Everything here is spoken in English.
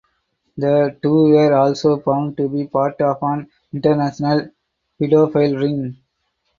The two were also found to be part of an international pedophile ring.